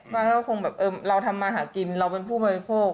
มันก็คงแบบเออเราทำมาหากินเราเป็นผู้บริโภค